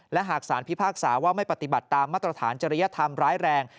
และหากสารพิพากษาว่าไม่ปฏิบัติตามมาตรฐานจริยธรรมร้ายแรง